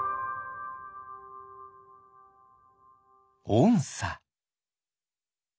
おんさ。